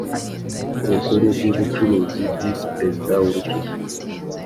Rukuru rw Ubucuruzi Visi Perezida w Urukiko